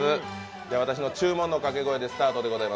私の「注文」のかけ声でスタートでございます。